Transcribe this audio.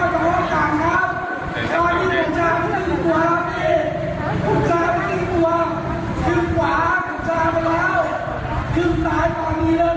ตำรวจซอมครับตำรวจครับตำรวจครับ